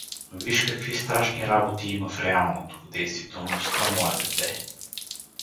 Виж какви страшни работи има в реалното, в действителността, мое дете.